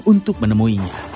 saya akan menemukan dia